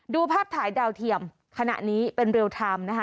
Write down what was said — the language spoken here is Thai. ดูภาพถ่ายดาวเทียมขณะนี้เป็นเรียลไทม์นะคะ